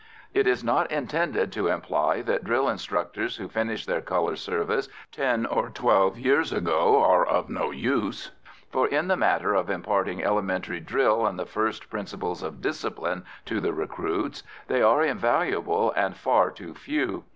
It is not intended to imply that drill instructors who finished their colour service ten or twelve years ago are of no use, for, in the matters of imparting elementary drill and the first principles of discipline to the recruits, they are invaluable and far too few.